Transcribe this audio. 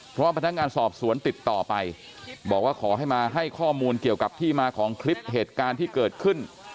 เพราะพนักงานสอบสวนติดต่อไปบอกว่าขอให้มาให้ข้อมูลเกี่ยวกับที่มาของคลิปเหตุการณ์ที่เกิดขึ้น